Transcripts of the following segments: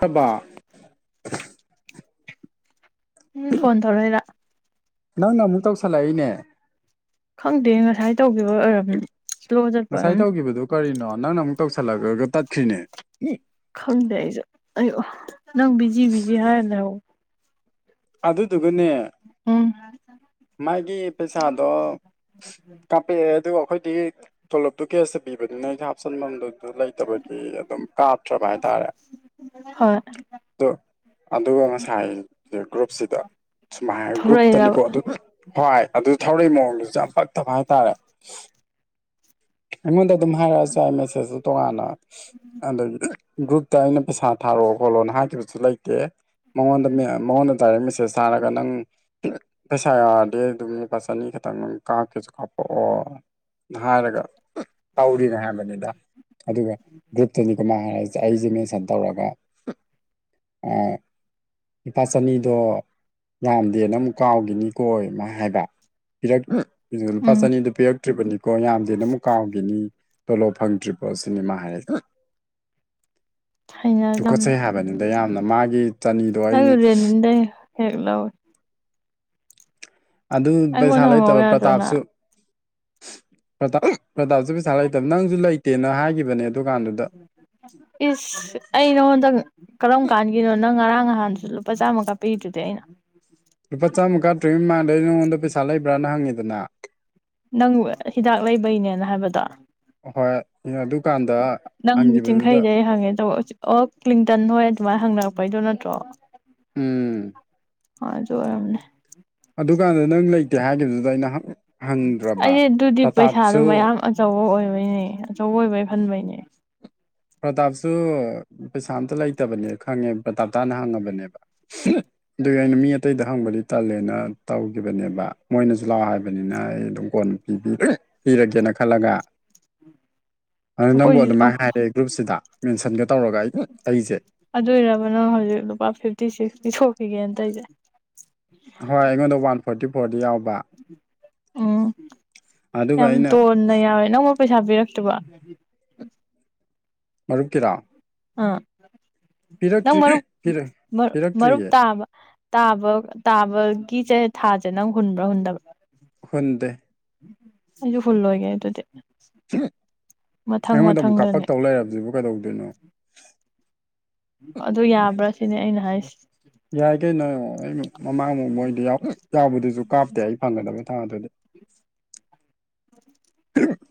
ꯍꯣꯏꯕ ꯎꯝ ꯐꯣꯟ ꯇꯧꯔꯛ ꯏꯔꯥ ꯅꯪꯅ ꯑꯃꯨꯛ ꯇꯧꯁꯜꯂꯛꯏꯅꯦ꯫ ꯈꯪꯗꯦ ꯉꯁꯥꯏ ꯇꯧꯈꯤꯕ ꯑꯣꯏꯔꯕꯅꯤ꯫ ꯉꯁꯥꯏ ꯇꯧꯈꯤꯕꯗꯨ ꯀꯔꯤꯅꯣ ꯅꯪꯅ ꯑꯃꯨꯛ ꯇꯧꯁꯜꯂꯛꯑꯒ ꯇꯠꯈ꯭ꯔꯤꯅꯦ꯫ ꯈꯪꯗꯦ ꯑꯩꯁꯨ ꯑꯩꯌꯣ ꯅꯪ ꯕꯤꯖꯤ ꯕꯤꯖꯤ ꯍꯥꯏꯔꯅꯦ꯫ ꯑꯗꯨꯗꯨꯒꯅꯦ ꯎꯝ ꯃꯥꯒꯤ ꯄꯩꯁꯥꯗꯣ ꯀꯥꯞꯄꯛꯑꯦ ꯑꯗꯨꯒ ꯑꯩꯈꯣꯏꯗꯤ ꯊꯣꯂꯣꯞꯇꯨ ꯀꯦꯌꯥ ꯁꯕꯤꯕꯅꯤꯅ ꯑꯩ ꯍꯥꯞꯆꯤꯟꯐꯝꯗꯨꯗ ꯂꯩꯇꯕꯒꯤ ꯑꯗꯨꯝ ꯀꯥꯞꯇ꯭ꯔꯕ ꯍꯥꯏꯇꯥꯔꯦ ꯍꯣꯏ ꯑꯗꯨ ꯑꯗꯨꯒꯨꯕ ꯁꯥꯏ ꯒ꯭ꯔꯨꯞꯁꯤꯗ ꯁꯨꯃꯥꯏꯅ ꯊꯣꯛꯂꯛꯏꯔꯕ ꯒ꯭ꯔꯨꯞꯇꯅꯤꯀꯣ ꯍꯣꯏ ꯑꯗꯨ ꯊꯧꯔꯛ ꯏ ꯃꯑꯣꯡꯗꯨꯁꯨ ꯌꯥꯝ ꯄꯥꯛꯇꯕ ꯍꯥꯏꯇꯥꯔꯦ꯫ ꯑꯩꯉꯣꯟꯗ ꯑꯗꯨꯝ ꯍꯥꯏꯔꯛꯑꯁꯨ ꯑꯥꯏ ꯃꯦꯁꯦꯖꯇ ꯇꯣꯉꯥꯟꯅ ꯑꯗꯨꯝ ꯒ꯭ꯔꯨꯞꯇ ꯑꯩꯅ ꯄꯩꯁꯥ ꯊꯥꯔꯛꯑꯣ ꯈꯣꯠꯂꯣꯅ ꯍꯥꯏꯈꯤꯕꯁꯨ ꯂꯩꯇꯦ ꯃꯉꯣꯟꯗ ꯃꯌꯥꯝ ꯃꯉꯣꯟꯗ ꯗꯥꯏꯔꯦꯛ ꯃꯦꯁꯦꯁ ꯊꯥꯔꯒ ꯅꯪ ꯄꯩꯁꯥ ꯌꯧꯔꯗꯤ ꯑꯗꯨꯝ ꯂꯨꯄꯥ ꯆꯅꯤ ꯈꯛꯇꯪ ꯀꯥꯞꯀꯦꯁꯨ ꯀꯥꯞꯄꯛꯑꯣ ꯍꯥꯏꯔꯒ ꯇꯧꯔꯤꯅꯦ ꯍꯥꯏꯕꯅꯤꯗ ꯑꯗꯨꯒ ꯒ꯭ꯔꯨꯞꯇꯗꯤ ꯑꯃꯥꯏ ꯍꯥꯏꯔꯛ ꯑꯩꯁꯦ ꯃꯦꯟꯁꯟ ꯇꯧꯔꯒ ꯂꯄꯥ ꯆꯅꯤꯗꯣ ꯌꯥꯝꯗꯦꯅ ꯑꯃꯨꯛ ꯀꯥꯎꯈꯤꯅꯤ ꯀꯣꯏ ꯑꯃ ꯍꯥꯏꯕ ꯄꯤꯔꯛ ꯂꯨꯄꯥ ꯎꯝ ꯆꯅꯤꯗꯨ ꯄꯤꯔꯛꯇ꯭ꯔꯤꯕꯅꯤꯀꯣ ꯌꯥꯝꯗꯦꯅ ꯑꯃꯨꯛ ꯀꯥꯎꯈꯤꯅꯤ꯫ ꯇꯣꯂꯣꯞ ꯐꯪꯗ꯭ꯔꯤꯐꯧ ꯁꯤꯅꯦꯃꯥ ꯍꯥꯏꯔꯗ ꯍꯩꯅꯗꯝꯅ ꯇꯨꯈꯠꯆꯩ ꯍꯥꯏꯕꯅꯤ꯫ ꯗ ꯌꯥꯝꯅ ꯃꯥꯒꯤ ꯆꯅꯤꯗꯣ ꯅꯪ ꯑꯩꯅ ꯂꯦꯅꯤꯟ ꯗꯥꯒꯤ ꯍꯦꯛ ꯂꯥꯎꯔꯣ꯫ ꯑꯗꯨ ꯄꯩꯁꯥ ꯑꯩꯉꯣꯟꯗ ꯍꯪꯍꯧ ꯂꯩꯇꯕ ꯌꯥꯗ꯭ꯔꯣ ꯄ꯭ꯔꯇꯥꯞꯁꯨ ꯅꯪ ꯄ꯭ꯔꯇꯥꯞ ꯄ꯭ꯔꯇꯥꯞꯁꯨ ꯄꯩꯁꯥ ꯂꯩꯇꯕ ꯅꯪꯁꯨ ꯂꯩꯇꯦꯅ ꯍꯥꯏꯒꯤꯈꯤꯕꯅꯦ ꯑꯗꯨꯀꯥꯟꯗꯨꯗ ꯏꯁ ꯑꯩ ꯅꯉꯣꯟꯗ ꯀꯔꯝ ꯀꯥꯟꯒꯤꯅꯣ? ꯅꯪ ꯉꯔꯥꯡ ꯅꯍꯥꯟꯗꯨꯁꯨ ꯂꯨꯄꯥ ꯆꯥꯝꯃ ꯀꯥꯞꯄꯤꯔꯤꯗꯨꯗꯤ ꯑꯩꯅ ꯂꯨꯄꯥ ꯆꯥꯝꯃ ꯀꯥꯇ꯭ꯔꯤꯉꯩ ꯃꯃꯥꯡꯗꯩ ꯅꯉꯣꯟꯗ ꯄꯩꯁꯥ ꯂꯩꯕ꯭ꯔꯥꯅ ꯍꯪꯉꯤꯗꯅ ꯅꯪꯕꯨ ꯍꯤꯗꯥꯛ ꯂꯩꯕꯩꯅꯦꯅ ꯍꯥꯏꯕꯗꯣ ꯍꯣꯏ ꯑꯗꯨꯀꯥꯟꯗ ꯅꯪꯒꯤ ꯆꯤꯡꯈꯩ ꯍꯪꯈꯤꯕꯗꯨꯗ ꯗꯩ ꯍꯪꯉꯦ ꯇꯧ ꯑꯣ ꯀ꯭ꯂꯤꯡꯇꯟ ꯍꯣꯏ ꯑꯗꯨꯃꯥꯏꯅ ꯍꯪꯅꯔꯛꯄꯩꯗꯣ ꯅꯠꯇ꯭ꯔꯣ? ꯎꯝ ꯍꯣꯏ ꯑꯗꯨ ꯑꯣꯏꯔꯝꯒꯅꯤ꯫ ꯑꯗꯨꯀꯥꯟꯗ ꯅꯪ ꯂꯩꯇꯦ ꯍꯥꯏꯈꯤꯕꯗꯨꯗ ꯑꯩꯅ ꯍꯪꯗ꯭ꯔꯕ ꯑꯩ ꯑꯗꯨꯗꯤ ꯄꯩꯁꯥꯗꯣ ꯄ꯭ꯔꯇꯥꯞꯁꯨ ꯃꯌꯥꯝ ꯑꯆꯧꯕ ꯑꯣꯏꯕꯩꯅꯦ ꯑꯆꯧꯕ ꯑꯣꯏꯕꯩ ꯍꯟꯕꯩꯅꯦ꯫ ꯄ꯭ꯔꯇꯥꯞꯁꯨ ꯄꯩꯁꯥ ꯑꯝꯇ ꯂꯩꯇꯕꯅꯦ ꯈꯪꯉꯦ ꯄ꯭ꯔꯇꯥꯞꯇꯥꯅ ꯍꯪꯉꯕꯅꯦꯕ ꯑꯗꯨꯒꯤ ꯑꯩꯅ ꯃꯤ ꯑꯇꯩꯗ ꯍꯪꯕꯗꯤ ꯇꯜꯂꯦꯅ ꯇꯧꯈꯤꯕꯅꯦꯕ ꯃꯣꯏꯅꯁꯨ ꯏꯆꯤꯜꯂꯥꯎ ꯍꯥꯏꯕꯅꯤꯅ ꯑꯩ ꯑꯗꯨꯝ ꯀꯣꯟ ꯄꯤꯔꯒꯦꯅ ꯈꯜꯂꯒ ꯑꯗꯨ ꯅꯪꯕꯨ ꯑꯩꯈꯣꯏꯁꯨ ꯑꯗꯨꯃꯥꯏꯅ ꯍꯥꯏꯔꯑꯦ ꯒ꯭ꯔꯨꯞꯁꯤꯗ ꯃꯦꯟꯁꯟꯒ ꯇꯧꯔꯒ ꯑꯩ ꯑꯩꯁꯦ ꯑꯗꯨꯏꯔꯕ ꯅꯪ ꯍꯧꯖꯤꯛ ꯂꯨꯄꯥ ꯐꯤꯐꯇꯤ ꯁꯤꯛꯁꯇꯤ ꯁꯣꯛꯈꯤꯒꯦꯅ ꯇ ꯑꯩꯁꯦ꯫ ꯍꯣꯏ ꯑꯩꯉꯣꯟꯗ ꯋꯥꯟ ꯐꯣꯔꯇꯤ ꯐꯣꯔꯗ ꯌꯥꯎꯕ ꯑꯗꯨꯒ ꯑꯩꯅ ꯟꯅ ꯌꯥꯎꯋꯦ ꯅꯪꯅ ꯄꯩꯁꯥ ꯄꯤꯔꯛꯇꯕ ꯃꯔꯨꯞꯀꯤꯔꯥ ꯑꯥ ꯅꯪ ꯃꯔꯨꯞ ꯃꯔꯨꯞ ꯄꯤꯔꯛꯇ꯭ꯔꯤꯌꯦ ꯇꯥꯕ ꯇꯥꯕ ꯇꯥꯕꯒꯤꯁꯦ ꯊꯥꯁꯦ ꯅꯪ ꯍꯨꯟꯕ꯭ꯔꯥ ꯍꯨꯟꯗꯕ꯭ꯔꯥ ꯍꯗꯦ ꯑꯩꯁꯨ ꯐꯨꯜ ꯑꯣꯏꯒꯦ ꯑꯗꯨꯗꯤ ꯃꯊꯪ ꯑꯩꯉꯣꯟꯗ ꯑꯃꯨꯛ ꯀꯥꯞꯄꯛ ꯃꯊꯪꯗꯅꯦ ꯇꯧ ꯂꯩꯁꯤꯕꯨ ꯀꯩꯗꯧꯗꯣꯏꯅꯣ ꯑꯗꯨ ꯌꯥꯕ꯭ꯔꯥ ꯁꯤꯅꯦ ꯑꯩꯅ ꯍꯥꯏꯁꯤ ꯌꯥꯏ ꯀꯩꯅꯣ ꯑꯩ ꯃꯃꯥꯡꯃꯨꯛ ꯃꯣꯏꯗ ꯌꯥꯎꯕꯗꯨꯁꯨ ꯀꯥꯞꯇꯦ ꯑꯩ ꯐꯪꯒꯗꯕ ꯊꯥ ꯑꯗꯨꯗꯤ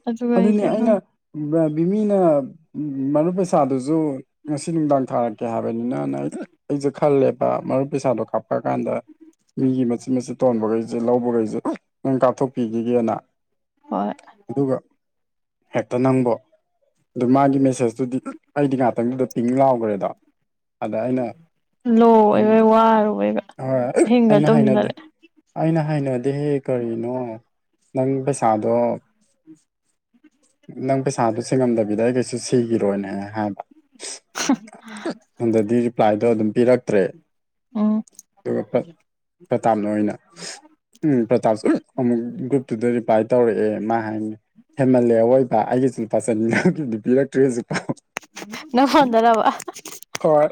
ꯑꯗꯨꯒ ꯑꯗꯨꯅꯤ ꯑꯩꯁꯦ ꯑꯩꯅ ꯕꯤꯃꯤꯅ ꯃꯔꯨꯞ ꯄꯩꯁꯥꯗꯨꯁꯨ ꯉꯁꯤ ꯅꯨꯡꯗꯥꯡ ꯊꯥꯔꯛꯀꯦ ꯍꯥꯏꯕꯅꯤꯅꯅ ꯑꯩ ꯑꯩꯁꯦ ꯈꯜꯂꯦꯕ ꯃꯔꯨꯞ ꯄꯩꯁꯥꯗꯣ ꯀꯥꯞ ꯀ ꯀꯥꯟꯗ ꯃꯤꯒꯤ ꯃꯆꯤꯟꯠ ꯃꯆꯨꯠ ꯇꯣꯟꯕꯈꯩꯁꯦ ꯂꯧꯕꯈꯩꯁꯦ ꯅꯪ ꯀꯥꯞꯊꯣꯛꯄꯤꯈꯤꯒꯦꯅ ꯍ ꯑꯗꯨꯒ ꯍꯦꯛꯇ ꯅꯪꯕ ꯑꯗꯨ ꯃꯥꯒꯤ ꯃꯦꯁꯦꯁꯇꯨꯗꯤ ꯑꯩꯗꯤ ꯉꯥꯛꯇꯪꯗꯨꯗ ꯄꯤꯡ ꯂꯥꯎꯈ꯭ꯔꯦꯗ ꯑꯗ ꯂꯣ ꯑꯩꯅꯝ ꯑꯣꯏꯕꯩ ꯋꯥꯔꯨꯕꯩꯒ ꯍꯣꯏ ꯑꯍꯤꯡꯒ ꯑꯩꯅ ꯍꯥꯏꯅꯗꯦ ꯇꯨꯝꯗꯔꯦ ꯑꯩꯅ ꯍꯥꯏꯩꯅꯗꯤ ꯀꯔꯤꯅꯣ ꯅꯪ ꯄꯩꯁꯥꯗꯣ ꯎꯝ ꯅꯪ ꯄꯩꯁꯥꯗꯨ ꯆꯉꯝꯗꯕꯤꯗ ꯑꯩ ꯀꯩꯁꯨ ꯁꯤꯈꯤꯔꯣꯏꯅꯦ ꯍꯥꯏꯕ ꯍꯟꯗꯗꯤ ꯔꯤꯄ꯭ꯂꯥꯏꯗꯣ ꯑꯗꯨꯝ ꯄꯤꯔꯛꯇ꯭ꯔꯦ ꯎꯝ ꯑꯗꯨꯒ ꯄ꯭ꯔꯇꯥꯞꯅ ꯑꯣꯏꯅ ꯎꯝ ꯄ꯭ꯔꯇꯥꯞꯁꯨ ꯑꯃꯨꯛ ꯒ꯭ꯔꯨꯞꯇꯨꯗ ꯔꯤꯄ꯭ꯂꯥꯏ ꯇꯧꯔꯛꯑꯦ ꯃꯥ ꯍꯥꯏꯕꯅꯤ ꯄꯂꯦ ꯑꯔ ꯑꯣꯏꯕ ꯑꯩꯒꯤꯁꯨ ꯂꯨꯄꯥ ꯆꯟꯅꯤꯒꯤꯗꯤ ꯄꯤꯔꯛꯇ꯭ꯔꯦ ꯍꯧꯁꯨ ꯄꯥꯎ ꯅꯪꯗꯔꯕ ꯍꯣꯏ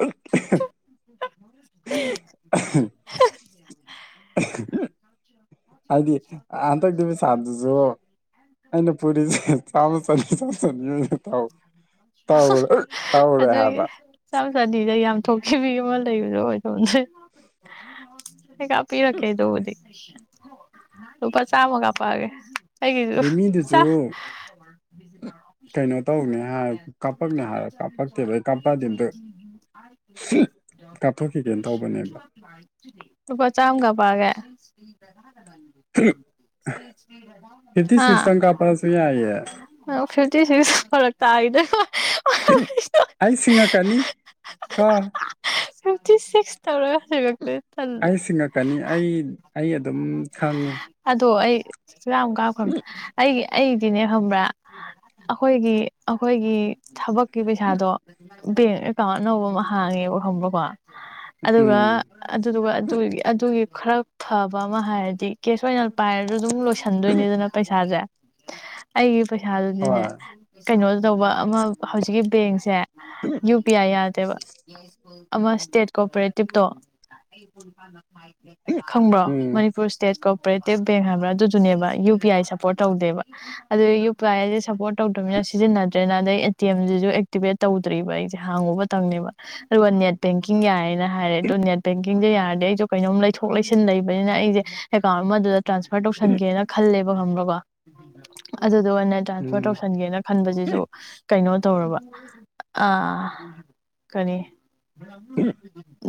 ꯎ [unintelligible] ꯍꯥꯏꯗꯤ ꯍꯟꯗꯛꯇꯤ ꯄꯩꯁꯥꯗꯨꯁꯨ [unintelligible] ꯑꯩꯅ ꯄꯨꯔꯤꯁꯦ ꯆꯥ ꯆꯅꯤ ꯆ ꯆꯅꯤꯅ ꯇꯥꯎ ꯇꯥꯎ ꯇꯧꯔꯦ ꯍꯥꯏꯕ ꯆ ꯆꯗꯤꯗ ꯌꯥꯝ ꯊꯣꯛꯈꯤꯕ ꯑꯃ ꯂꯩꯕꯗꯣ ꯑꯣꯏꯗꯣꯛ ꯀꯥꯞꯄꯤꯔꯛꯀꯦ ꯑꯗꯨꯕꯨꯗꯤ ꯂꯨꯄꯥ ꯆꯥꯝꯃ ꯀꯥꯞꯄꯛꯑꯒꯦ ꯍꯥꯏ ꯕꯦꯃꯤꯗꯨꯁꯨ ꯀꯩꯅꯣ ꯇꯧꯅꯦ ꯍꯥꯏ ꯀꯥꯞꯄꯛꯅꯦ ꯍꯥꯏꯔ ꯀꯥꯞꯄꯛꯇꯦꯕ ꯑꯩ ꯀꯥꯞꯄꯛꯑꯗꯤ ꯑꯝꯇ [unintelligible] ꯀꯥꯞꯊꯣꯛꯈꯤꯒꯦꯅ ꯇꯧꯕꯅꯦ ꯄꯥ ꯆꯥꯝ ꯀꯥ ꯄꯥꯒ ꯐꯤꯐꯇꯤ ꯑꯥ ꯁꯤꯛꯁꯇꯪ ꯀꯥꯞꯄꯛꯑꯁꯨ ꯌꯥꯏꯌꯦ ꯐꯤꯐꯇꯤ ꯁꯤꯛꯁ ꯐꯔꯛ ꯇꯥꯔꯤꯗ ꯑꯩ ꯁꯤꯡꯉꯛꯀꯅꯤ ꯀꯔ ꯁ꯭ꯋꯦꯟꯇꯤ ꯁꯤꯁ ꯇꯧꯔꯒ ꯍꯥꯏꯕ ꯑꯩ ꯁꯤꯡꯉꯛꯀꯅꯤ ꯑꯩ ꯑꯩ ꯑꯗꯨꯝ ꯁꯪꯉꯤ ꯑꯗꯣ ꯑꯩ ꯌꯥꯝ ꯀꯥꯎꯞꯈ꯭ꯔꯕ ꯑꯩꯒꯤ ꯑꯩꯗꯤꯅꯦ ꯈꯪꯕ꯭ꯔꯥ ꯑꯩꯈꯣꯏꯒꯤ ꯑꯩꯈꯣꯏꯒꯤ ꯊꯕꯛꯀꯤ ꯄꯩꯁꯥꯗꯣ ꯕꯦꯡ ꯑꯦꯀꯥꯎꯟ ꯑꯅꯧꯕ ꯑꯃ ꯍꯥꯡꯉꯦ ꯕ ꯈꯪꯕ꯭ꯔꯣꯀꯣ ꯑꯗꯨꯒ ꯎꯝ ꯑꯗꯨꯗꯨꯒ ꯑꯗꯨ ꯑꯗꯨꯒꯤ ꯈꯔ ꯐꯕ ꯑꯃ ꯍꯥꯏꯔꯗꯤ ꯀꯦꯁ ꯑꯣꯏꯅ ꯄꯥꯏꯔꯗ ꯑꯗꯨꯝ ꯂꯣꯏꯁꯟꯗꯣꯏꯅꯤꯗꯅ ꯄꯩꯁꯥꯁꯦ ꯑꯩꯒꯤ ꯄꯩꯁꯥꯗꯨꯗꯤꯅꯦ ꯍꯣꯏ ꯀꯩꯅꯣ ꯇꯧꯕ ꯑꯃ ꯍꯧꯖꯤꯛꯀꯤ ꯕꯦꯡꯁꯦ ꯌꯨ ꯄꯤ ꯑꯥꯏ ꯌꯥꯗꯦꯕ ꯑꯃ ꯏꯁꯇꯦꯠ ꯀꯣꯑꯣꯄꯔꯦꯇꯤꯞꯇꯣ ꯈꯪꯕ꯭ꯔꯣ ꯎꯝ ꯃꯅꯤꯄꯨꯔ ꯏꯁꯇꯦꯠ ꯀꯣꯑꯣꯄꯔꯦꯇꯤꯞ ꯕꯦꯡ ꯍꯥꯏꯕ꯭ꯔꯥ ꯑꯗꯨꯗꯨꯅꯦꯕ ꯌꯨ ꯄꯤ ꯑꯥꯏ ꯁꯞꯄꯣꯔꯠ ꯇꯧꯗꯦꯕ ꯑꯗꯨ ꯌꯨ ꯄꯤ ꯑꯥꯏꯁꯦ ꯁꯞꯄꯣꯔꯠ ꯇꯧꯗꯕꯅꯤꯅ ꯁꯤꯖꯤꯟꯅꯗ꯭ꯔꯦꯅ ꯑꯗꯩ ꯑꯦ ꯇꯤ ꯑꯦꯝ ꯁꯨ ꯑꯦꯛꯇꯤꯚꯦꯠ ꯇꯧꯗ꯭ꯔꯤꯕ ꯑꯩꯁꯦ ꯍꯥꯡꯉꯨꯕꯇꯪꯅꯦꯕ ꯑꯗꯨꯒ ꯅꯦꯠ ꯕꯦꯡꯀꯤꯡ ꯌꯥꯏꯌꯦꯅ ꯍꯥꯏꯔꯦ ꯑ ꯑꯗꯨꯣ ꯅꯦꯠ ꯕꯦꯡꯀꯤꯡꯁꯦ ꯌꯥꯔꯗꯤ ꯑꯩꯁꯨ ꯀꯩꯅꯣꯝ ꯂꯩꯊꯣꯛ ꯂꯩꯁꯤꯟ ꯂꯩꯕꯅꯤꯅ ꯑꯩꯁꯦ ꯑꯦꯀꯥꯎꯟ ꯑꯃꯗ ꯇ꯭ꯔꯥꯟꯁꯐꯔ ꯇꯧꯁꯟꯒꯦꯅ ꯈꯜꯂꯦꯕ ꯈꯪꯕ꯭ꯔꯣꯀꯣ ꯑꯗꯨꯗ ꯑꯣꯏꯅ ꯇ꯭ꯔꯥꯟꯁꯐꯔ ꯎꯝ ꯇꯧꯁꯟꯒꯦꯅ ꯈꯟꯕꯁꯤꯁꯨ ꯀꯩꯅꯣ ꯇꯧꯔꯕ ꯀꯔꯤ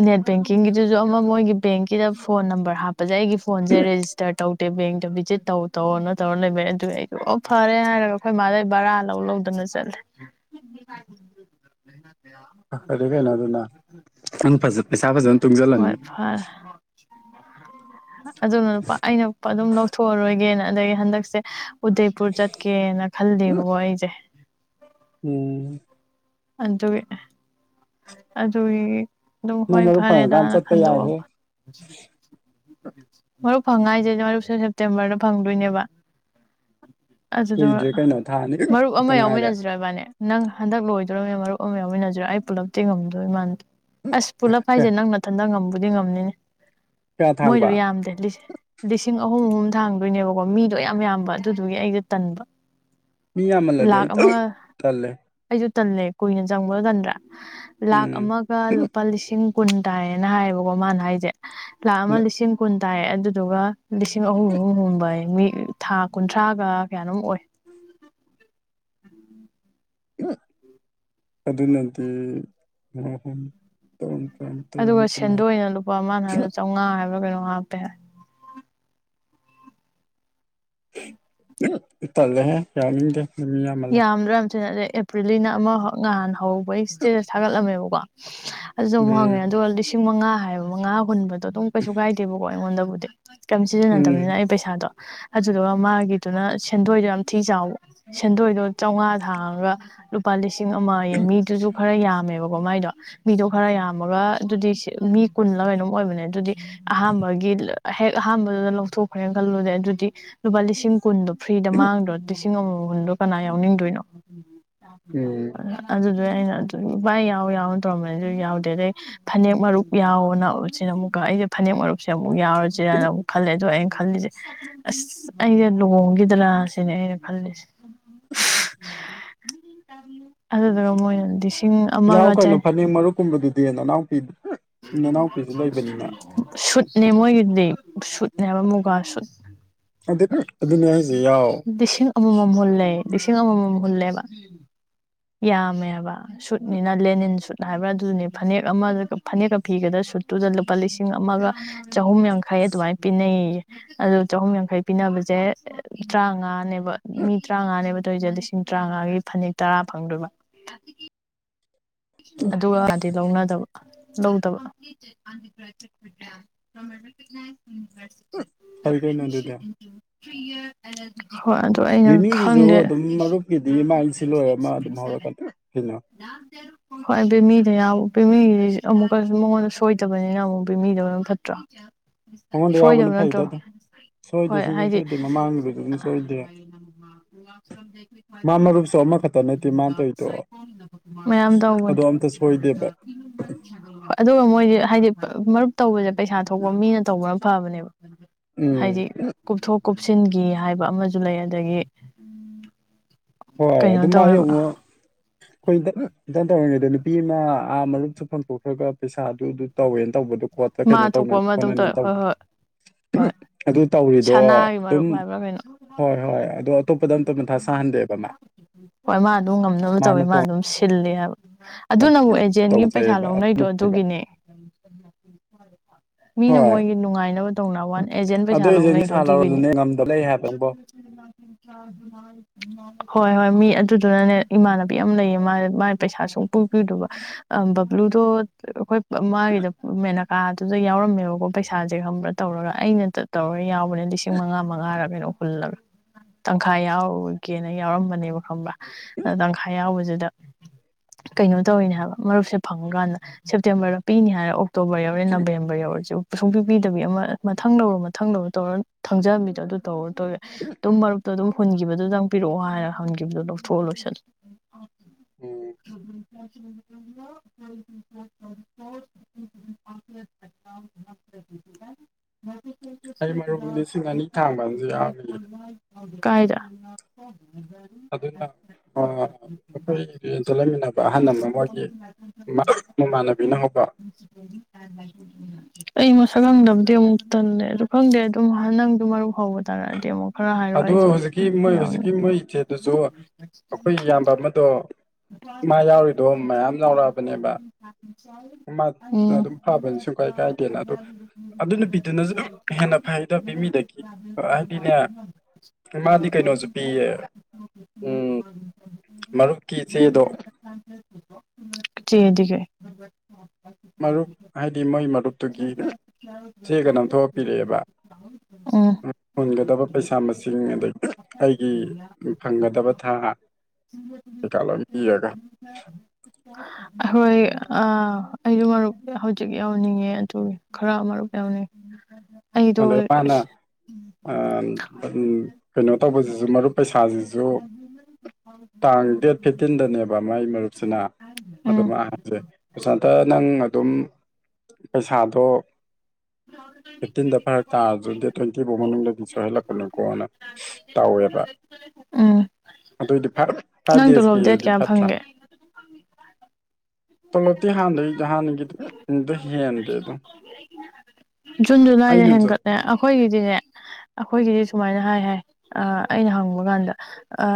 ꯅꯦꯠ ꯕꯦꯡꯀꯤꯡꯒꯤꯗꯨꯁꯨ ꯑꯃ ꯃꯣꯏꯒꯤ ꯕꯦꯡꯀꯤꯗ ꯐꯣꯟ ꯅꯝꯕꯔ ꯍꯥꯞꯄꯁꯦ ꯑꯩꯒꯤ ꯐꯣꯟꯁꯦ ꯔꯦꯁꯇꯔ ꯇꯧꯗꯦ ꯕꯦꯡꯇ ꯚꯤꯁꯤꯠ ꯇꯧ ꯇꯧꯔꯅ ꯇꯧꯔ ꯂꯩꯕꯩ ꯑꯗꯨ ꯑꯩꯁꯨ ꯑꯣ ꯐꯔꯦ ꯍꯥꯏꯔꯒ ꯑꯩꯈꯣꯏ ꯃꯥꯗꯩ ꯕꯔꯥ ꯂꯧ ꯂꯧꯗꯅ ꯆꯠꯂꯦ [inaudible] ꯑꯗꯨ ꯀꯩꯅꯣ ꯑꯗꯨꯅ ꯅꯪ ꯄꯩꯁꯥ ꯐꯖꯅ ꯍꯣꯏ ꯇꯨꯡꯁꯤꯜꯂꯅꯤ ꯐꯔꯦ ꯑꯗꯨꯅ ꯂꯨꯄꯥ ꯑꯩꯅ ꯑꯗꯨꯝ ꯂꯧꯊꯣꯛꯑꯔꯣꯏꯒꯦꯅ ꯑꯗꯒꯤ ꯍꯟꯗꯛꯁꯦ ꯎꯗꯩꯄꯨꯔ ꯆꯠꯀꯦꯅ ꯈꯜꯂꯦꯕꯀꯣ ꯑꯩꯁꯦ ꯎꯝ ꯑꯗꯨꯒꯤ ꯑꯗꯨꯒꯤ ꯑꯗꯨꯝ ꯅꯪ ꯍꯣꯏ ꯃꯔꯨꯞ ꯐꯪꯉꯀꯥꯟꯗ ꯐꯔꯦꯗꯅ ꯆꯠꯄ ꯌꯥꯏꯍꯦ ꯈꯟꯗꯣꯛꯑꯕ ꯃꯔꯨꯞ ꯐꯪꯉ ꯍꯥꯏꯁꯦꯗꯤ ꯃꯔꯨꯞꯁꯦ ꯁꯦꯞꯇꯦꯝꯕꯔꯗ ꯐꯪꯗꯣꯏꯅꯦꯕ ꯑꯗꯨꯗꯣ ꯀꯨꯏꯗ꯭ꯔꯦ ꯀꯩꯅꯣ ꯊꯥ ꯑꯅꯤ ꯃꯔꯨꯞ ꯑꯃ ꯈꯛꯇ ꯉꯥꯏꯔꯦ ꯌꯥꯎꯃꯤꯟꯅꯁꯤꯔꯣ ꯏꯕꯥꯅꯤ ꯅꯪ ꯍꯟꯗꯛ ꯂꯣꯏꯗꯣꯔꯤꯕꯅꯤꯅ ꯃꯔꯨꯞ ꯑꯃ ꯌꯥꯎꯃꯤꯟꯅꯖꯔꯥ ꯑꯩ ꯄꯨꯂꯞ ꯇꯤꯡꯉꯝꯗꯣꯏ ꯃꯥꯟꯗꯦ ꯑꯁ ꯄꯨꯂꯞ ꯍꯥꯏꯁꯦ ꯅꯪ ꯃꯊꯟꯇ ꯉꯝꯕꯨꯗꯤ ꯉꯝꯅꯤꯅꯦ ꯀꯌꯥ ꯃꯣꯏꯗꯣ ꯊꯥꯡꯕ ꯌꯥꯝꯗꯦ ꯂꯤꯁꯤꯡ ꯂꯤꯁꯤꯡ ꯑꯍꯨꯝ ꯑꯍꯨꯝ ꯊꯥꯡꯗꯣꯏꯅꯦꯕꯀꯣ ꯃꯤꯗꯣ ꯌꯥꯝ ꯌꯥꯝꯕ ꯑꯗꯨꯗꯨꯒꯤ ꯑꯩꯒ ꯇꯟꯕ ꯃꯤ ꯌꯥꯝꯃꯜꯂꯗꯤ ꯂꯥꯛ ꯑꯩ ꯑꯃꯒ ꯇꯜꯂꯦ ꯑꯩꯁꯨ ꯇꯜꯂꯦ ꯀꯨꯏꯅ ꯆꯪꯕ ꯇꯟꯗ꯭ꯔꯥ ꯂꯥꯛ ꯎꯝ ꯑꯃ ꯂꯨꯄꯥ ꯂꯤꯁꯤꯡ ꯀꯨꯟ ꯇꯥꯏꯌꯦꯅ ꯍꯥꯏꯌꯦꯕꯀꯣ ꯃꯥꯅ ꯍꯥꯏꯁꯦ ꯂꯥꯛ ꯑꯃ ꯂꯤꯁꯤꯡ ꯀꯨꯟ ꯇꯥꯏ ꯑꯗꯨꯗꯨꯒ ꯂꯤꯁꯤꯡ ꯑꯍꯨꯝ ꯑꯍꯨꯝ ꯍꯨꯟꯕꯩ ꯃꯤ ꯊꯥ ꯀꯨꯟꯊ꯭ꯔꯥꯒ ꯀꯌꯥꯅꯣꯝ ꯑꯣꯏ ꯑꯗꯨꯅꯗꯤ ꯑ [unintelligible] ꯑꯗꯨꯒ ꯁꯦꯟꯗꯣꯏ ꯑꯣꯏꯅ ꯂꯨꯄꯥ ꯑꯃꯅ ꯍꯥꯏꯕꯗ ꯆꯥꯎꯉꯥ ꯍꯥꯏꯕ꯭ꯔꯥ ꯀꯩꯅꯣ ꯍꯥꯞꯄꯦ ꯍꯥꯏ ꯇꯜꯂꯦꯍꯦ ꯌꯥꯝꯗꯦ ꯌꯥꯝꯗ꯭ꯔꯥꯝ ꯌꯥꯝꯊꯤꯅ ꯑꯗꯩ ꯑꯦꯄ꯭ꯔꯤꯜꯒꯤꯅ ꯑꯃꯈꯛ ꯅꯍꯥꯟ ꯍꯧꯕꯩ ꯏꯁꯇꯦꯇ ꯊꯥꯒꯠꯂꯝꯃꯦꯕꯀꯣ ꯑꯗꯨꯁꯨ ꯑꯃꯨꯛ ꯍꯪꯉꯦ ꯎꯝ ꯑꯗꯨꯒ ꯂꯤꯁꯤꯡ ꯃꯉꯥ ꯍꯥꯏꯕ ꯃꯉꯥ ꯍꯨꯟꯕꯗꯣ ꯑꯗꯨꯝ ꯀꯩꯁꯨ ꯀꯥꯏꯗꯦꯕꯀꯣ ꯑꯩꯉꯣꯟꯗꯕꯨꯗꯤ ꯀꯩꯝ ꯎꯝ ꯁꯤꯖꯤꯟꯅꯗꯕꯅꯤꯅ ꯑꯩ ꯄꯩꯁꯥꯗꯣ ꯑꯗꯨꯗꯨꯒ ꯃꯥꯒꯤꯗꯨꯅ ꯁꯦꯟꯗꯣꯏꯗꯣ ꯌꯥꯝ ꯊꯤ ꯆꯥꯎꯕ ꯁꯦꯟꯗꯣꯏꯗꯣ ꯆꯥꯝꯉꯥ ꯊꯥꯡꯉꯒ ꯂꯨꯄꯥ ꯂꯤꯁꯤꯡ ꯑꯃꯌꯦ ꯃꯤꯗꯨꯁꯨ ꯈꯔ ꯌꯥꯝꯃꯦꯕꯀꯣ ꯃꯥꯏꯗꯣ ꯃꯤꯗꯣ ꯈꯔ ꯌꯥꯝꯃꯒ ꯑꯗꯨꯗꯤ ꯃꯤ ꯀꯨꯜꯂꯀꯩꯅꯣꯝ ꯑꯣꯏꯕꯅꯦ ꯑꯗꯨꯗꯤ ꯑꯍꯥꯥꯟꯕꯒꯤ ꯍꯦꯛ ꯑꯍꯥꯥꯟꯕꯗꯨꯗ ꯂꯧꯊꯣꯛꯈ꯭ꯔꯦꯅ ꯈꯜꯂꯨꯗꯦ ꯑꯗꯨꯗꯤ ꯂꯨꯄꯥ ꯂꯤꯁꯤꯡ ꯀꯨꯟꯗꯣ ꯐ꯭ꯔꯤꯗ ꯃꯥꯡꯗ꯭ꯔꯣ ꯂꯤꯁꯤꯡ ꯑꯃꯃꯝꯗꯣ ꯀꯅꯥ ꯌꯥꯎꯅꯤꯡꯗꯣꯏꯅꯣ ꯎꯝ ꯑꯗꯨꯗ ꯑꯩꯅ ꯑꯗꯨꯚꯏ ꯌꯥꯎ ꯌꯥꯎ ꯇꯧꯔꯝꯕꯅꯤꯁꯨ ꯌꯥꯎꯗꯦ ꯑꯗꯩ ꯐꯅꯦꯛ ꯃꯔꯨꯞ ꯌꯥꯎꯅ ꯁꯤꯅ ꯑꯃꯨꯛꯀ ꯑꯩꯁꯦ ꯐꯅꯦꯛ ꯃꯔꯨꯞ ꯁꯤ ꯑꯃꯨꯛ ꯌꯥꯎꯔꯁꯦꯅ ꯑꯃꯨꯛ ꯈꯜꯂꯦ ꯑꯗꯣ ꯑꯩꯅ ꯈꯜꯂꯤꯁꯦ ꯑꯁ ꯑꯩꯁꯦ ꯂꯨꯍꯣꯡꯈꯤꯗ꯭ꯔꯥ ꯁꯤꯅꯦ ꯑꯩꯅ ꯈꯜꯂꯤꯁꯦ ꯑꯗꯨꯗꯨꯒ ꯃꯣꯏꯅꯗꯤ ꯌꯥꯎ ꯀꯩꯅꯣ ꯐꯅꯦꯛ ꯃꯔꯨꯞꯀꯨꯝꯕꯗꯨꯗꯤ ꯅꯅꯥꯎꯄꯤ ꯅꯅꯥꯎꯄꯤꯁꯨ ꯂꯩꯕꯅꯤꯅ ꯁꯨꯠꯅꯦ ꯃꯣꯏꯒꯤꯗꯤ ꯁꯨꯠꯅꯦꯕ ꯃꯨꯒꯥ ꯁꯨꯠ ꯑꯗꯨ ꯑꯗꯨꯅꯦ ꯑꯩꯁꯦ ꯌꯥꯎ ꯂꯤꯁꯤꯡ ꯑꯃꯃꯝ ꯍꯨꯜꯂꯦ ꯂꯤꯁꯤꯡ ꯑꯃꯃꯝ ꯍꯨꯜꯂꯦꯕ ꯌꯥꯝꯃꯦꯕ ꯁꯨꯠꯅꯤꯅ ꯂꯦꯅꯤꯟ ꯁꯨꯠ ꯍꯥꯏꯕ꯭ꯔꯥ ꯑꯗꯨꯗꯨꯅꯤ ꯐꯅꯦꯛ ꯑꯃ ꯐꯅꯦꯛꯀ ꯐꯤꯒꯗ꯭ꯔ ꯁꯨꯠꯇꯨꯗ ꯂꯨꯄꯥ ꯂꯤꯁꯤꯡ ꯑꯃꯒ ꯆꯍꯨꯝ ꯌꯥꯡꯈꯩ ꯑꯗꯨꯃꯥꯏꯅ ꯄꯤꯅꯩꯌꯦ ꯑꯗꯣ ꯆꯍꯨꯝ ꯌꯥꯡꯈꯩ ꯄꯤꯅꯕꯁꯦ ꯇꯔꯥꯃꯉꯥꯅꯦꯕ ꯃꯤ ꯇꯔꯥꯃꯉꯥꯅꯦꯕ ꯇꯧꯔꯤꯁꯦ ꯂꯤꯁꯤꯡ ꯇꯔꯥꯃꯉꯥꯒꯤ ꯐꯅꯦꯛ ꯇꯔꯥ ꯐꯪꯗꯣꯏꯕ ꯑꯁꯤꯒꯤ ꯑꯗꯨꯒꯗꯤ ꯂꯧꯅꯗꯕ ꯂꯧꯗꯕ ꯐꯩ ꯀꯩꯅꯣ ꯑꯗꯨꯗꯤ [unintelligible] ꯑꯗꯣ ꯑꯩꯅ ꯕꯤꯃꯤꯒꯤꯁꯨ ꯈꯪꯗꯦ ꯑꯗꯨꯝ ꯃꯔꯨꯞꯀꯤꯗꯤ ꯃꯥ ꯁꯤ ꯂꯣꯏꯔ ꯃꯥ ꯑꯗꯨꯝ ꯍꯧꯔꯛꯀꯅꯤ ꯀꯩꯅꯣ ꯂꯛꯇꯦ ꯍꯣꯏ ꯕꯦꯃꯤꯗ ꯕꯦꯃꯤ ꯑꯃꯨꯛꯀꯁꯨ ꯃꯉꯣꯟꯗ ꯁꯣꯏꯗꯕꯅꯤꯅ ꯑꯃꯨꯛ ꯕꯦꯃꯤꯗ ꯑꯗꯨꯝ ꯐꯠꯇ꯭ꯔꯣ ꯃꯉꯣꯟꯗ ꯌꯥꯎꯕꯅ ꯁꯣꯏꯗꯕ ꯅꯠꯇ꯭ꯔꯣ ꯐꯩꯗ ꯑꯗꯨꯝ ꯁꯣꯏꯗꯦ ꯍꯣꯏ ꯁꯨꯡꯁꯣꯏ ꯍꯥꯏꯗꯤ ꯁꯣꯏꯗꯦ ꯃꯃꯥꯡꯒꯤꯗꯨꯁꯨ ꯑꯗꯨꯝ ꯁꯣꯏꯗꯦ ꯃꯥ ꯃꯔꯨꯞꯁꯨ ꯑꯃꯈꯛꯇ ꯅꯠꯇꯦ ꯃꯥꯅ ꯇꯧꯔꯤꯗꯣ ꯃꯌꯥꯝ ꯑꯗꯣ ꯇꯧꯕꯅꯤ ꯑꯝꯇ ꯁꯣꯏꯗꯦꯕ [unintelligible] ꯍꯣꯏ ꯑꯗꯨꯒ ꯃꯣꯏꯗꯤ ꯍꯥꯏꯗꯤ ꯃꯔꯨꯞ ꯇꯧꯕꯁꯦ ꯄꯩꯁꯥ ꯊꯣꯛꯄ ꯃꯤꯅ ꯇꯧꯕꯅ ꯐꯕꯅꯦꯕ ꯍꯥꯏꯗꯤ ꯎꯝ ꯀꯨꯞꯊꯣꯛ ꯀꯨꯞꯁꯤꯟꯈꯤ ꯍꯥꯏꯕ ꯑꯃꯁꯨ ꯂꯩ ꯑꯗꯒꯤ ꯍꯣꯏ ꯀꯩꯅꯣ ꯑꯗꯨꯝ ꯃꯥꯥꯏ ꯇꯧꯋꯦꯕ ꯑꯃꯨꯛ ꯑꯩꯈꯣꯏ ꯏꯇꯔꯟ ꯇꯧꯔꯤꯉꯩꯗ ꯅꯨꯄꯤ ꯑꯃ ꯑꯥ ꯃꯔꯨꯞꯁꯨ ꯐꯗꯣꯛꯈ꯭ꯔꯒ ꯄꯩꯁꯥꯗꯨ ꯑꯗꯨ ꯇꯧꯋꯦꯅ ꯇꯧꯕꯗꯣ ꯑꯣ ꯀꯩꯅꯣ ꯃꯥ ꯇꯧ ꯊꯣꯛꯄ ꯑꯃ ꯑꯗꯨꯝ ꯍꯣꯠꯅꯅꯤꯅ ꯇꯧꯋꯦ ꯍꯣꯏ ꯇꯧꯕꯗꯣ ꯍꯣꯏ ꯍꯣꯏ ꯑꯗꯨ ꯇꯧꯔꯤꯗꯣ ꯁꯅꯥꯒꯤ ꯑꯗꯨꯝ ꯃꯔꯨꯞ ꯍꯥꯏꯕ꯭ꯔꯥ ꯀꯩꯅꯣ ꯍꯣꯏ ꯍꯣꯏ ꯑꯗꯣ ꯑꯇꯣꯞꯄꯗ ꯑꯝꯇ ꯃꯟꯊ ꯁꯥꯍꯟꯗꯦꯕ ꯃꯥ ꯍꯣꯏ ꯃꯥ ꯑꯗꯨꯝ ꯉꯝꯅꯕ ꯇꯧꯋꯤ ꯃꯥꯅ ꯇꯣꯉꯥꯟ ꯃꯥ ꯑꯗꯨꯝ ꯁꯤꯜꯂꯤ ꯍꯥꯏꯕ ꯑꯗꯨꯅꯕꯨ ꯑꯦꯖꯦꯟꯒꯤ ꯄꯩꯁꯥ ꯇꯧꯖꯩꯑꯕ ꯂꯧꯅꯩꯗꯣ ꯑꯗꯨꯅꯕ ꯑꯗꯨꯒꯤꯅꯦ ꯃꯤꯅ ꯍꯣꯏ ꯃꯣꯏꯒꯤ ꯅꯨꯡꯉꯥꯏꯅꯕ ꯇꯧꯅ ꯋꯥꯟ ꯑꯦꯖꯦꯟ ꯑꯗꯨ ꯄꯩꯁꯥ ꯑꯦꯖꯦꯟꯒꯤ ꯂꯧꯅꯩꯗꯣ ꯁꯥ ꯑꯗꯨꯒꯤꯅꯤ ꯂꯧꯔꯗꯨꯅꯦ ꯉꯝꯗꯕ ꯂꯩ ꯍꯥꯏꯕ ꯅꯪꯕꯣ ꯍꯣꯏ ꯍꯣꯏ ꯃꯤ ꯑꯗꯨꯗꯨꯅꯅꯦ ꯏꯃꯥꯅꯕ ꯂꯩ ꯃꯥ ꯄꯩꯁꯥ ꯁ ꯄꯨꯕꯤꯨꯗꯕ ꯕ꯭ꯂꯨꯗꯣ ꯑꯩꯈꯣꯏ ꯃꯥꯒꯤꯗ ꯃꯦꯅꯀꯥꯗꯨꯗ ꯌꯥꯎꯔꯝꯃꯦꯕꯀꯣ ꯄꯩꯁꯥꯁꯦ ꯈꯪꯕ꯭ꯔꯥ ꯇꯧꯔꯒ ꯑꯩꯅ ꯇꯧꯔ ꯌꯥꯎꯕꯅꯦ ꯂꯤꯁꯤꯡ ꯃꯉꯥ ꯃꯉꯥꯔ ꯀꯩꯅꯣ ꯍꯨꯜꯂꯕ ꯇꯪꯈꯥꯏ ꯌꯥꯎꯔꯒꯦꯅ ꯌꯥꯎꯔꯝꯕꯅꯦꯕ ꯈꯪꯕ꯭ꯔꯥ ꯑꯗ ꯇꯪꯈꯥꯏ ꯌꯥꯎꯕꯁꯤꯗ ꯀꯩꯅꯣ ꯇꯧꯔꯤꯅꯦ ꯍꯥꯏꯕ ꯃꯔꯨꯞꯁꯦ ꯐꯪꯀꯥꯟꯗ ꯁꯦꯞꯇꯦꯝꯕꯔꯗ ꯄꯤꯅꯤ ꯍꯥꯏꯔꯦ ꯑꯣꯛꯇꯣꯕꯔ ꯌꯧꯔꯦ ꯅꯕꯦꯝ ꯌꯔꯦ ꯌꯧꯔꯁꯤ ꯁꯨꯡ ꯄꯗꯕꯤ ꯑꯃ ꯃꯊꯪ ꯂꯧꯔꯣ ꯃꯊꯪ ꯂꯧꯔꯣ ꯇꯧꯔꯣ ꯊꯪꯖꯍꯕꯤꯗꯣ ꯑꯗꯨ ꯇꯧꯔꯣ ꯑꯗꯨꯝ ꯃꯔꯨꯞꯇꯣ ꯑꯗꯨꯝ ꯍꯨꯟꯈꯤꯕꯗꯨꯗꯪ ꯄꯤꯔꯛꯑꯣ ꯍꯥꯏꯔꯒ ꯍꯟꯈꯤꯕꯗꯨ ꯂꯧꯊꯣꯛꯑꯣ ꯂꯣꯏꯁꯤꯜꯂ ꯎꯝ [inaudible] [inaudible] ꯑꯩ ꯃꯔꯨꯞ ꯂꯤꯁꯤꯡ ꯑꯅꯤ ꯊꯥꯡꯕ ꯑꯃꯁꯨ ꯌꯥꯎꯔꯤꯌꯦ [inaudible] ꯀꯥꯏꯗ [inaudible] ꯑꯗꯨꯅ ꯑꯩꯈꯣꯏ ꯆꯠꯂꯃꯤꯟꯅꯕ ꯑꯍꯜ ꯑꯃ ꯃꯣꯏꯒꯤ ꯃꯃꯥꯟꯅꯕꯤꯅ ꯍꯧꯕ [unintelligible] [unintelligible] ꯑꯩ ꯃꯁꯛ ꯈꯪꯗꯕꯗꯤ ꯑꯃꯨꯛ ꯇꯜꯂꯦ ꯑꯗꯨꯗ ꯈꯪꯗꯦ ꯑꯗꯨꯝ ꯅꯪꯗ ꯃꯔꯨꯞ ꯍꯧꯕ ꯇꯥꯔꯛꯑꯗꯤ ꯑꯃꯨꯛ ꯈꯔ ꯍꯥꯏꯔꯣ ꯑꯗ ꯑꯩꯁꯨ ꯍꯧꯖꯤꯛꯀꯤ ꯃꯣꯏ ꯌꯥꯎꯅꯤ ꯍꯧꯖꯤꯛꯀꯤ ꯃꯣꯏ ꯏꯆꯦꯗꯨꯁꯨ ꯑꯩꯈꯣꯏ ꯏꯌꯥꯝꯕ ꯑꯃꯗꯣ ꯃꯥ ꯌꯥꯎꯔꯤꯗꯣ ꯃꯌꯥꯝ ꯌꯥꯎꯔꯛꯑꯕꯅꯦꯕ ꯃꯥ ꯎꯝ ꯑꯗꯨꯝ ꯐꯕꯅꯤ ꯁꯨꯡ ꯀꯥꯏ ꯀꯥꯏꯗꯦꯅ ꯑꯗꯣ ꯑꯗꯨ ꯅꯨꯄꯤꯗꯨꯅꯁꯨ ꯍꯦꯟꯅ ꯐꯩꯗꯕꯤ ꯃꯤꯗꯒꯤ ꯍꯥꯏꯗꯤꯅꯦ [unintelligible] ꯃꯥꯗꯤ ꯀꯩꯅꯣꯁꯨ ꯄꯤꯌꯦ ꯎꯝ ꯃꯔꯨꯞꯀꯤ ꯆꯦꯗꯣ ꯆꯗꯤ ꯀꯩ ꯍ ꯃꯔ ꯍꯥꯏꯗꯤ ꯃ ꯏꯃ ꯊ ꯀꯌꯥ ꯃꯨꯣꯟꯒꯗꯕ ꯄꯩꯁꯥ ꯃꯁꯤꯡ ꯑꯗꯒꯤ ꯑꯩꯒꯤ ꯎ ꯐꯪꯒꯗꯕ ꯊꯥ ꯀꯩꯀꯥ ꯂꯕꯤꯔꯒ ꯑꯩꯈꯣꯏ ꯑ ꯑꯩꯁꯨ ꯃꯔꯨꯞ ꯍꯧꯖꯤꯛ ꯌꯥꯎꯅꯤꯡꯉꯦ ꯑꯗꯨ ꯈꯔ ꯑꯃꯔꯨꯛ ꯌꯥꯎꯅꯤꯡꯉꯦ ꯑꯩꯗꯣ ꯑꯗꯩ ꯃꯥꯅ ꯑꯥ ꯎꯝ ꯀꯩꯅꯣ ꯇꯧꯕꯁꯤꯁꯨ ꯃꯔꯨꯞ ꯄꯩꯁꯥꯁꯤꯁꯨ ꯇꯥꯡ ꯗꯦꯠ ꯐꯤꯞꯇꯤꯟꯗꯅꯦꯕ ꯃꯥꯏ ꯃꯔꯨꯞꯁꯤꯅ ꯑꯗꯨ ꯎꯝ ꯃꯥ ꯍꯥꯏꯁꯦ ꯄ꯭ꯔꯁꯟꯇꯥ ꯅꯪ ꯑꯗꯨꯝ ꯄꯩꯁꯥꯗꯣ ꯇꯨꯊꯥꯎꯖꯥꯟ ꯇ꯭ꯋꯦꯟꯇꯤ ꯐꯥꯇꯤꯟꯗ ꯐꯔꯛ ꯇꯥꯔꯁꯨ ꯗꯦ ꯇ꯭ꯋꯦꯟꯇꯤ ꯐꯥꯎ ꯃꯅꯨꯡꯗꯒꯤ ꯁꯣꯏꯍꯜꯂꯛꯄꯅꯨꯀꯣꯅ ꯇꯧꯋꯦꯕ ꯎꯝ ꯑꯗꯨꯑꯣꯏꯗꯤ ꯐꯥꯏꯚ ꯐꯥꯏꯚ ꯅꯪ ꯗꯦꯁ ꯇꯣꯂꯣꯞ ꯗꯦꯠ ꯄꯤꯔꯗꯤ ꯀꯌꯥ ꯐꯠꯇ꯭ꯔꯥ ꯐꯪꯒꯦ ꯇꯣꯂꯣꯛꯇꯤ ꯍꯥꯟꯅꯩ ꯍꯥꯟꯅꯒꯤ ꯍꯦꯟꯗꯦ ꯑꯗꯨꯝ ꯖꯨꯟ ꯖꯨꯂꯥꯏꯗ ꯑꯩꯅꯁꯨ ꯍꯦꯟꯒꯠꯂꯦ ꯑꯩꯈꯣꯏꯒꯤꯗꯤꯅꯦ ꯑꯩꯈꯣꯏꯒꯤꯗꯤ ꯁꯨꯃꯥꯏꯅ ꯍꯥꯏ ꯍꯥꯏ ꯑ ꯑꯩꯅ ꯍꯪꯕ ꯀꯥꯟꯗ ꯑ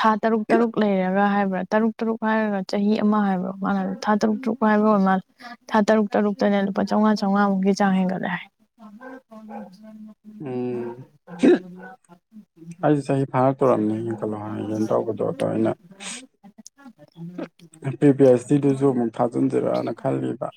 ꯊꯥ ꯇꯔꯨꯛ ꯇꯔꯨꯛ ꯂꯩꯔꯒ ꯍꯥꯏꯕ꯭ꯔꯥ ꯇꯔꯨꯛ ꯇꯔꯨꯛ ꯍꯥꯏꯔꯒ ꯆꯍꯤ ꯑꯃ ꯍꯥꯏꯕ꯭ꯔꯥ ꯃꯥꯅꯗ ꯊꯥ ꯇꯔꯨꯛ ꯇꯔꯨꯛ ꯋꯥꯏꯕ ꯑꫭꯏ ꯃꯥꯜꯂꯦ ꯊꯥ ꯇꯔꯨꯛ ꯇꯔꯨꯛꯇꯅꯦ ꯂꯨꯄꯥ ꯆꯥꯝꯉꯥ ꯆꯥꯝꯉꯥꯃꯨꯛ ꯆꯥꯡ ꯍꯦꯟꯒꯠꯂꯦ ꯍꯥꯏ ꯎꯝ [unintelligible] [unintelligible] ꯑꯩꯁꯦ ꯆꯍꯤ ꯐꯥꯔ ꯇꯨꯔꯝꯅꯦ ꯌꯦꯡ ꯈꯜꯂꯣ ꯍꯥꯏꯒꯦꯅ ꯇꯧꯕꯗꯣ ꯑꯗꯣ ꯑꯩꯅ ꯄꯤꯔ ꯄꯤ ꯍꯩꯆ ꯗꯤ ꯗꯨꯁꯨ ꯑꯃꯨꯛ ꯊꯥꯖꯤꯟꯖꯔꯅ ꯈꯜꯂꯤꯕ